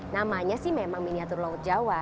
namanya sih memang miniatur laut jawa